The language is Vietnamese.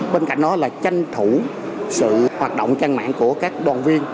bên cạnh đó là tranh thủ sự hoạt động trang mạng của các đoàn viên